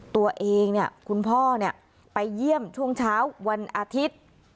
ตัวเองเนี่ยคุณพ่อเนี่ยไปเยี่ยมช่วงเช้าวันอาทิตย์